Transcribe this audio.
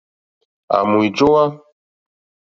À mò wíjówá.